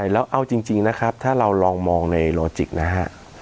แล้วเอาจริงนะครับถ้าเราลองมองในโลจิกนะฮะ